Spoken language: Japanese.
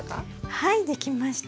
はいできました。